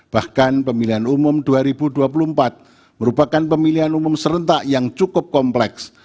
bahkan pemilihan umum dua ribu dua puluh empat merupakan pemilihan umum serentak yang cukup kompleks